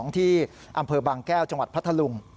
ที่อำเภอบางแก้วจังหวัดพัทธลุง